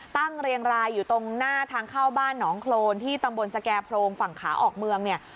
เรียงรายอยู่ตรงหน้าทางเข้าบ้านหนองโครนที่ตำบลสแก่โพรงฝั่งขาออกเมืองเนี่ย